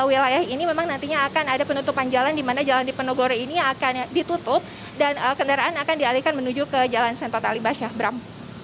untuk situasinya saat ini memang nantinya akan ada penutupan jalan dimana jalan di penogore ini akan ditutup dan kendaraan akan dialihkan menuju ke jalan sentotalibas ya bram